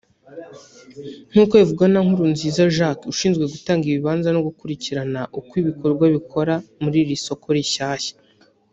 nk’uko bivugwa na Nkurunziza Jacques ushinzwe gutanga ibibanza no gukurikirana uko ibikorwa bikora muri iri soko rishyashya